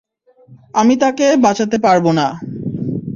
আমি তাকে বাঁচাতে পারব না!